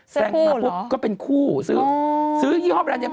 แซงคู่เหรออ๋อซื้อซื้อยี่ห้อแบรนด์